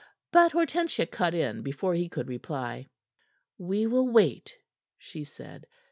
But Hortensia cut in before he could reply. "We will wait," she said.